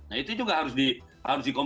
nah itu juga harus dikonfirmasi dengan